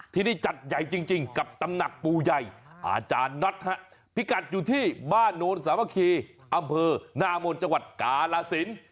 ที่นี่จัดใหญ่จริงกับตำหนักปูใหญ่อาจารย์น็อตพิกัดอยู่ที่บ้านโนนสามัคคีอำเภอนามนจังหวัดกาลสิน